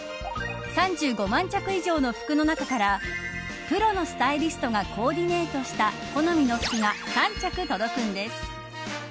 ３５万着以上の服の中からプロのスタイリストがコーディネートした好みの服が３着届くんです。